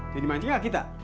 jadi mancing gak kita